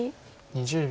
２０秒。